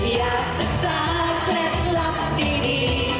อยากศึกษาเคล็ดลับดี